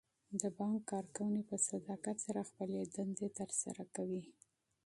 د بانک کارکوونکي په صداقت سره خپلې دندې ترسره کوي.